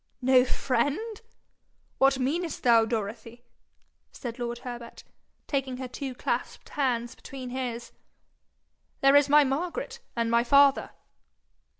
'No friend! What meanest thou, Dorothy?' said lord Herbert, taking her two clasped hands between his. 'There is my Margaret and my father!'